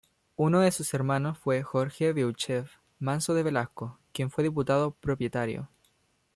Uno de sus hermanos fue Jorge Beauchef Manso de Velasco, quien fue diputado propietario.